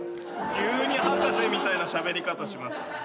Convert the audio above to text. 急に博士みたいなしゃべり方しましたね。